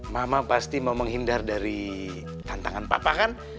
mama pasti mau menghindar dari tantangan papa kan